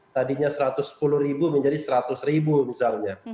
tadinya rp satu ratus sepuluh menjadi rp seratus misalnya